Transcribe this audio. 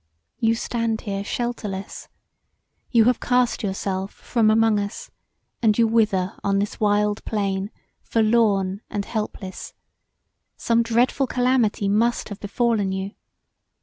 You stand here shelterless[.] You have cast yourself from among us and you wither on this wild plain fo[r]lorn and helpless: some dreadful calamity must have befallen you.